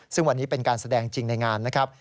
ซึ่งวันนี้เป็นการแสดงจริงในงานนะครับ